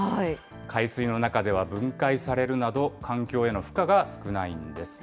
海水の中では分解されるなど、環境への負荷が少ないんです。